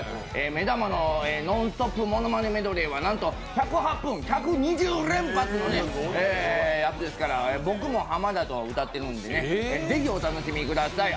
目玉のノンストップものまねメドレーはなんと１０８分１２０連発のやつですから、僕も浜田と歌ってるんでね、ぜひお楽しみください。